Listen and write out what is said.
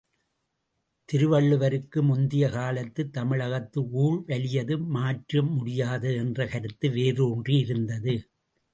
திருவள்ளுவருக்கு முந்திய காலத்துத் தமிழகத்தில், ஊழ் வலியது மாற்ற முடியாதது என்ற கருத்து வேரூன்றியிருந்தது.